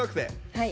はい。